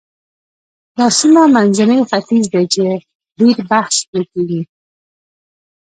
دا سیمه منځنی ختیځ دی چې ډېر بحث پرې کېږي.